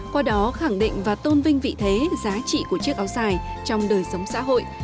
qua đó khẳng định và tôn vinh vị thế giá trị của chiếc áo dài trong đời sống xã hội